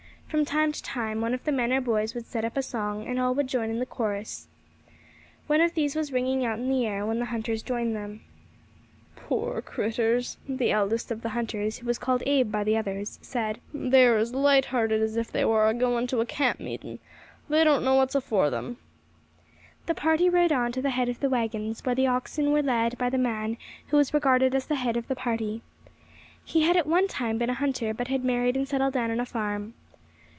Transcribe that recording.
From time to time one of the men or boys would set up a song, and all would join in the chorus. One of these was ringing out in the air when the hunters joined them. "Poor critturs!" the eldest of the hunters, who was called Abe by the others, said, "they are as light hearted as if they war a going to a camp meeting; they don't know what's afore them." The party rode on to the head of the waggons, where the oxen were led by the man who was regarded as the head of the party. He had at one time been a hunter, but had married and settled down on a farm.